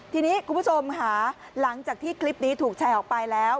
ทีนี้คุณผู้ชมค่ะหลังจากที่คลิปนี้ถูกแชร์ออกไปแล้ว